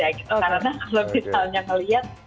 karena kalau misalnya melihat